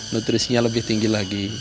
nutrisinya lebih tinggi lagi